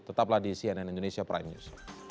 tetaplah di cnn indonesia prime news